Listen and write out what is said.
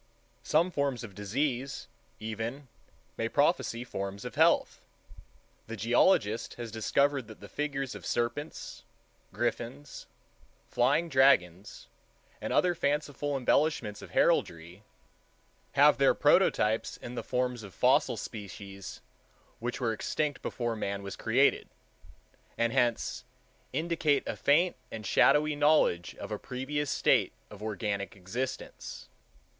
Some forms of disease, even, may prophesy forms of health. The geologist has discovered that the figures of serpents, griffins, flying dragons, and other fanciful embellishments of heraldry, have their prototypes in the forms of fossil species which were extinct before man was created, and hence "indicate a faint and shadowy knowledge of a previous state of organic existence."